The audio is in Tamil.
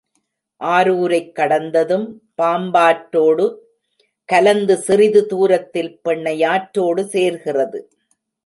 அரூரைக் கடந்ததும், பாம்பாற்றாேடு கலந்து சிறிது தூரத்தில் பெண்ணையாற்றாேடு சேர்கிறது.